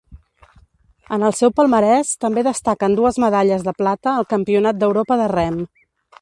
En el seu palmarès també destaquen dues medalles de plata al Campionat d'Europa de rem.